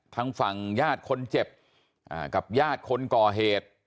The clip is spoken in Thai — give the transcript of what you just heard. ทางฝั่งญาติคนเจ็บกับญาติคนก่อเหตุ